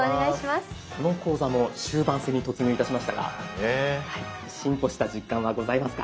この講座も終盤戦に突入いたしましたが進歩した実感はございますか？